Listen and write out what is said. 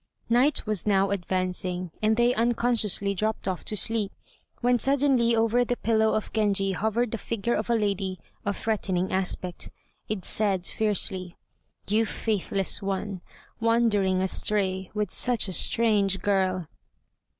Night was now advancing, and they unconsciously dropped off to sleep, when suddenly over the pillow of Genji hovered the figure of a lady of threatening aspect. It said fiercely, "You faithless one, wandering astray with such a strange girl."